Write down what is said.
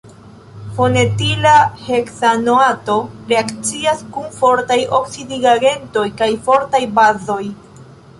Fenetila heksanoato reakcias kun fortaj oksidigagentoj kaj fortaj bazoj.